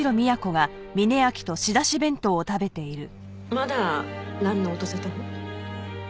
まだなんの音沙汰も？